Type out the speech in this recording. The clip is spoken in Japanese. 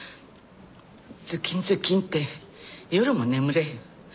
ズキンズキンって夜も眠れへん。